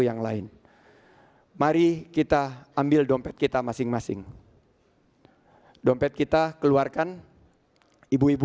yang lain mari kita ambil dompet kita masing masing dompet kita keluarkan ibu ibu